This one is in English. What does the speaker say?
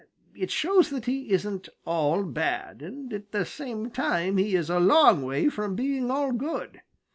It shows that he isn't all bad, and at the same time he is a long way from being all good.